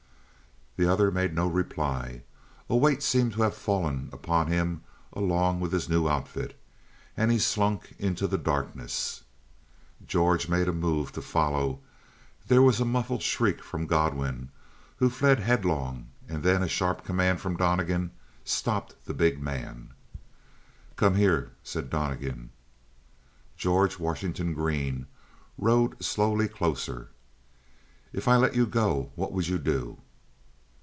The other made no reply; a weight seemed to have fallen upon him along with his new outfit, and he slunk into the darkness. George made a move to follow; there was a muffled shriek from Godwin, who fled headlong; and then a sharp command from Donnegan stopped the big man. "Come here," said Donnegan. George Washington Green rode slowly closer. "If I let you go what would you do?"